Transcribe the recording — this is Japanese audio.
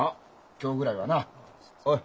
今日ぐらいはなおい。